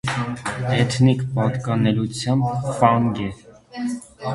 Էթնիկ պատկանելությամբ ֆանգ է։